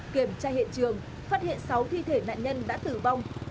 kiểm tra hiện trường phát hiện sáu thi thể nạn nhân đã tử vong